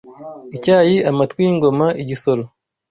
Icyahi, amatwi y’ingoma, igisoro,